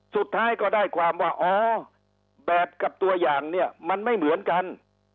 สุดท้ายก็ได้ความว่าอ๋อแบบกับตัวอย่างเนี่ยมันไม่เหมือนกัน